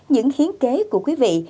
những hiến kế của quý vị